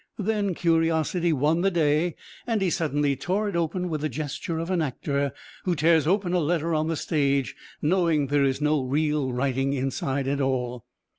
Then curiosity won the day, and he suddenly tore it open with the gesture of an actor who tears open a letter on the stage, knowing there is no real writing inside at all.